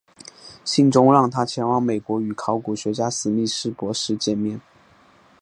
信中让他前往美国与考古学家史密斯博士见面。